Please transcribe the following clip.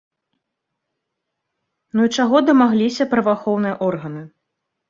Ну і чаго дамагліся праваахоўныя органы?